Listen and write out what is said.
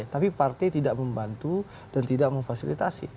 tapi partai tidak membantu dan tidak memfasilitasi